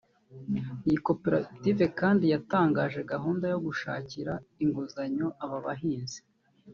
Iyi koperative kandi yatangije gahunda yo gushakira inguzanyo aba bahinzi